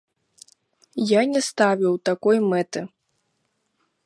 Я не ставіў такой мэты.